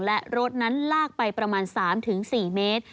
และรถนั้นลากไปประมาณ๓๔เมตร